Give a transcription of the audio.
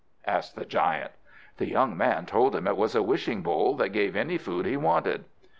asked the giant. The young man told him it was a wishing bowl, that gave any food he wanted.